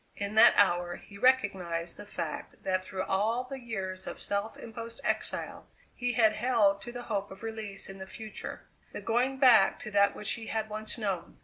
In that hour he recognized the fact that through all the years of self imposed exile he had held to the hope of release in the future: the going back to that which he had once known.